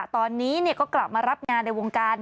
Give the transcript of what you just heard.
ตอนนี้ก็กลับมารับงานในวงการ